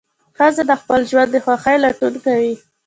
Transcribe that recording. ښځه د خپل ژوند د خوښۍ لټون کوي.